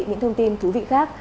những thông tin thú vị khác